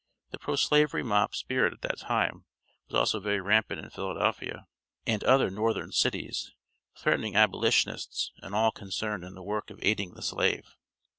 The Pro slavery mob spirit at that time was also very rampant in Philadelphia and other northern cities, threatening abolitionists and all concerned in the work of aiding the slave.